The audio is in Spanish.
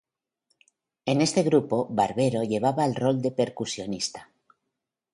En este grupo Barbero llevaba el rol de percusionista.